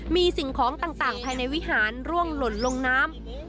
มีสิ่งของต่างภายในวิหารร่วงหล่นลงน้ำ